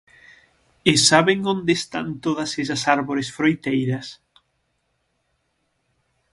¿E saben onde están todas esas árbores froiteiras?